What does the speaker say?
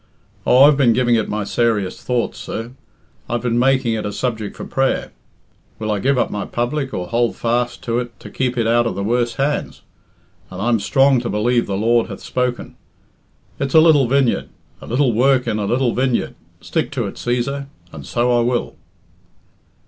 Oh, I've been giving it my sarious thoughts, sir. I've been making it a subject for prayer. 'Will I give up my public or hould fast to it to keep it out of worse hands?' And I'm strong to believe the Lord hath spoken. 'It's a little vineyard a little work in a little vineyard. Stick to it, Cæsar,' and so I will."